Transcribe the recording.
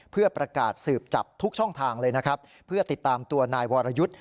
เพื่อประกาศสืบจับทุกช่องทางเลยนะครับเพื่อติดตามตัวนายวรยุทธ์